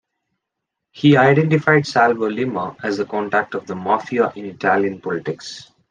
He identified Salvo Lima as the contact of the Mafia in Italian politics.